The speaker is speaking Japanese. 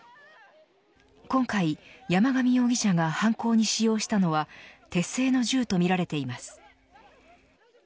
今回、山上容疑者が犯行に使用したのは手製の銃とみられています。